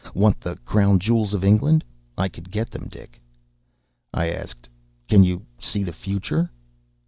Want the Crown Jewels of England? I could get them, Dick!" I asked, "Can you see the future?"